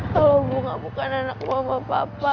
kalau bunga bukan anak mama papa